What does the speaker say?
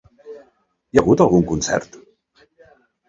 Hi ha hagut algun concert?